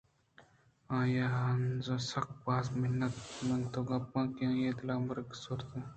آئی ءَہانزءِ سک باز منّت گپت کہ آئی ءِ دلی مارگ ستاکرزاَنت